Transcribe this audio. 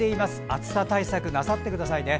暑さ対策なさってくださいね。